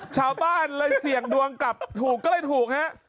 ชาวบ้านเลยเสี่ยงดวงกลับถูกก็เลยถูกฮะ